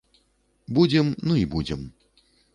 Будзем, ну й будзем.